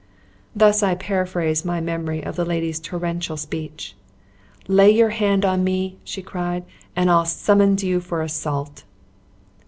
Thus I paraphrase my memory of the lady's torrential speech. "Lay your hand on me," she cried, "and I'll summons you for assault."